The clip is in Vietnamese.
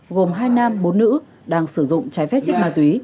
gồm hai nam bốn nữ đang sử dụng trái phép chất ma túy